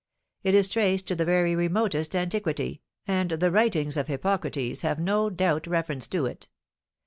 It is traced to the very remotest antiquity, and the writings of Hippocrates have no doubt reference to it.